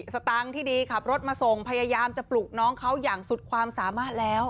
สตางค์ที่ดีขับรถมาส่งพยายามจะปลุกน้องเขาอย่างสุดความสามารถแล้ว